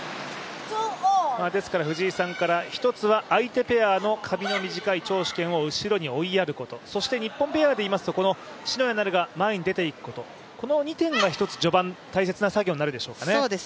藤井さんから、１つは相手ペアの髪の短い張殊賢を後ろにおいやること、そして日本ペアでいいますとこの篠谷菜留が前に出ていくことこの２点が序盤、大切な作業になりますかね。